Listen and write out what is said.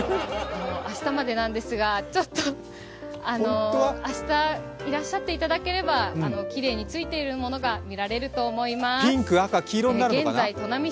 明日までなんですが明日いらっしゃっていただければきれいについているものが見られると思います。